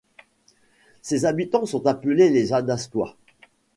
Ses habitants sont appelés les Adastois.